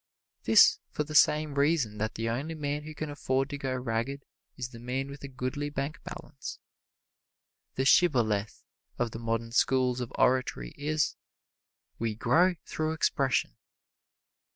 This for the same reason that the only man who can afford to go ragged is the man with a goodly bank balance. The shibboleth of the modern schools of oratory is, "We grow through expression."